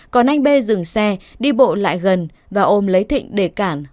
còn anh b dừng xe đi bộ lại gần và ôm lấy thịnh để cản